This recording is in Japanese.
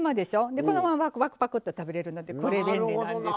でこのままパクパクッと食べれるのでこれ便利なんですよ。